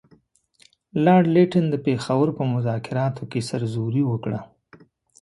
لارډ لیټن د پېښور په مذاکراتو کې سرزوري وکړه.